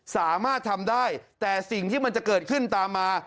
สามารถทำได้แต่สิ่งที่มันจะเกิดขึ้นตามมา